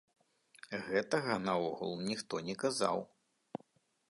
Гэтага наогул ніхто не казаў.